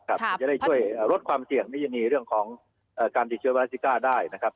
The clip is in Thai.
จะได้ช่วยลดความเสี่ยงในวิธีเรื่องของการติดเชื้อวาราสิก้าได้นะครับ